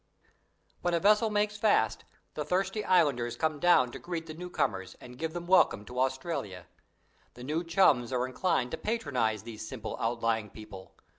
When a vessel makes fast the Thirsty Islanders come down to greet the new comers and give them welcome to Australia. The new chums are inclined to patronise these simple, outlying people.